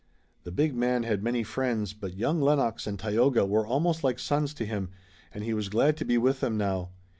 The big man had many friends, but young Lennox and Tayoga were almost like sons to him, and he was glad to be with them now.